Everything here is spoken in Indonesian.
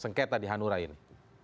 sengketa di hanura ini